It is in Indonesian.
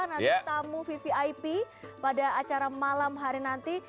nanti tamu vvip pada acara malam hari nanti